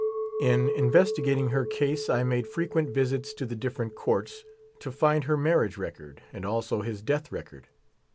In investigating her case I made frequent visits to the different courts, to find her marriage record and also his death record.